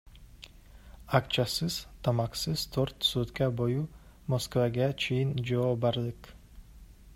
Акчасыз, тамаксыз төрт сутка бою Москвага чейин жөө бардык.